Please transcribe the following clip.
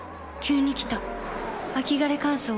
急に来た秋枯れ乾燥。